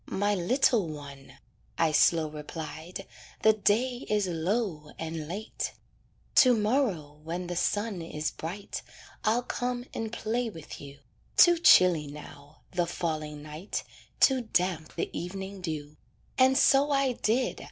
"My little one," I slow replied, "The day is low and late. "To morrow when the sun is bright, I'll come and play with you; Too chilly now, the falling night, Too damp the evening dew." And so I did.